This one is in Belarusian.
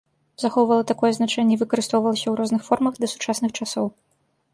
Захоўвала такое значэнне і выкарыстоўвалася ў розных формах да сучасных часоў.